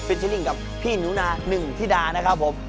เป็นที่นิ่งกับพี่หนูนาหนึ่งธิดานะครับผม